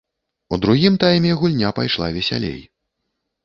У другім тайме гульня пайшла весялей.